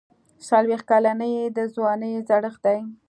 څلوېښت کلني د ځوانۍ زړښت دی.